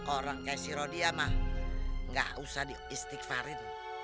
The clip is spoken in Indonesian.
orang kayak si rodia mah gak usah diistighfarin